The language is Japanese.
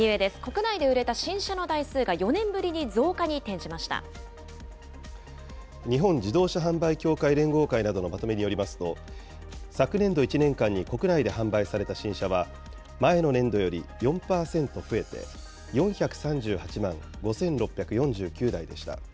国内で売れた新車の台数が４年ぶ日本自動車販売協会連合会などのまとめによりますと、昨年度１年間に国内で販売された新車は前の年度より４％増えて、４３８万５６４９台でした。